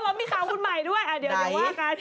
อ๋อแล้วมีข่าวคุณใหม่ด้วย